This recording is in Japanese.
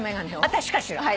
私かしら？